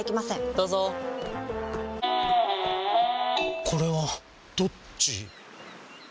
どうぞこれはどっち？